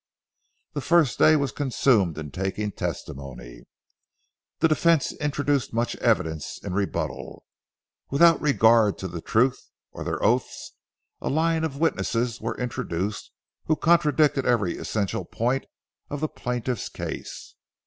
The first day was consumed in taking testimony. The defense introduced much evidence in rebuttal. Without regard to the truth or their oaths, a line of witnesses were introduced who contradicted every essential point of the plaintiff's case.